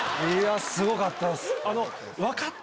すごかったです。